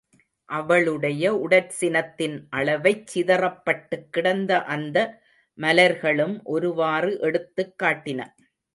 அவளுடைய ஊடற்சினத்தின் அளவைச் சிதறப்பட்டுக் கிடந்த அந்த மலர்களும் ஒருவாறு எடுத்துக் காட்டின.